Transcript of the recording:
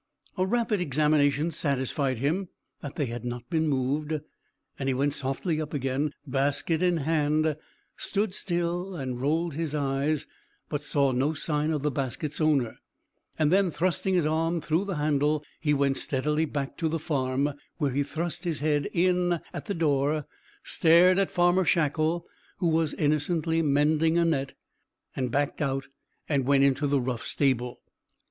A rapid examination satisfied him that they had not been moved, and he went softly up again, basket in hand, stood still and rolled his eyes, but saw no sign of the basket's owner, and then, thrusting his arm through the handle, he went steadily back to the farm, where he thrust his head in at the door, stared at Farmer Shackle, who was innocently mending a net, and backed out and went into the rough stable.